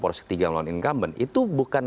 poros ketiga melawan incumbent itu bukan